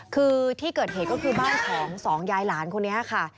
คือที่เกิดเหตุก็คือบ้านของสองยายหลานคนนี้ค่ะ